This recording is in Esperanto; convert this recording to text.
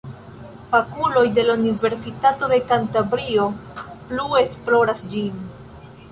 Fakuloj de la Universitato de Kantabrio plu esploras ĝin.